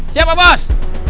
siap pak bos